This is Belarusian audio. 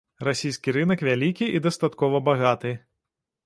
Расійскі рынак вялікі і дастаткова багаты.